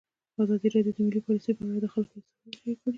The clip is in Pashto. ازادي راډیو د مالي پالیسي په اړه د خلکو احساسات شریک کړي.